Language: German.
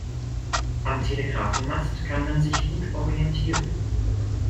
Am Telegrafenmast kann man sich gut orientieren.